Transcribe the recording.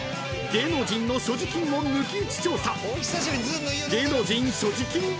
［芸能人の所持金を抜き打ち調査！］